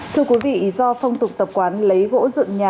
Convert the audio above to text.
thưa quý vị do phong tục tập quán lấy gỗ dựng nhà